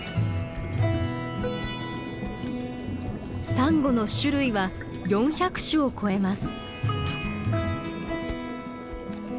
サンゴの種類は４００種を超えます。